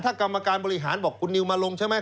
ถ้ากรรมการบริหารบอกคุณนิวมาลงใช่ไหม